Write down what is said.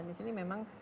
dan di sini memang